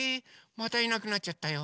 またいなくなっちゃったよ。